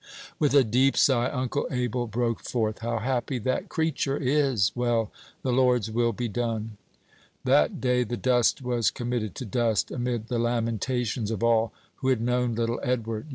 With a deep sigh Uncle Abel broke forth, "How happy that cretur' is! Well, the Lord's will be done." That day the dust was committed to dust, amid the lamentations of all who had known little Edward.